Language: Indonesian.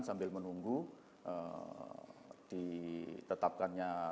sambil menunggu ditetapkannya